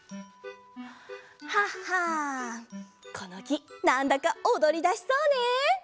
ハハンこのきなんだかおどりだしそうね。